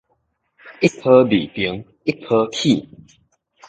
一波未平一波起